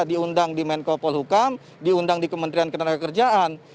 diundang di menko polhukam diundang di kementerian ketenagakerjaan